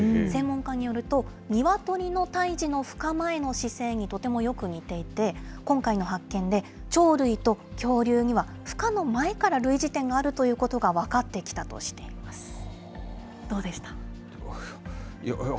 専門家によると、ニワトリの胎児のふ化前の姿勢に、とてもよく似ていて、今回の発見で、鳥類と恐竜にはふ化の前から類似点があるということが分かってきたとしています。